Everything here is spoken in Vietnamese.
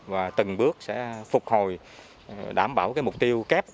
và từng bước sẽ phục hồi đảm bảo mục tiêu kép